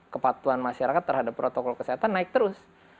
kepatuhan masyarakat terhadap protokol kesehatan naik terus